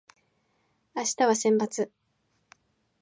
明日は先発